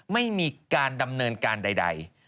ไม่มีการดำเนินการใด